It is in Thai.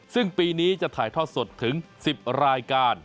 ซึ่งปีนี้จะถ่ายทอดสดถึง๑๐รายการ